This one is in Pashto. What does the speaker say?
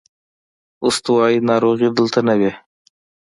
استوايي ناروغۍ دلته نه وې.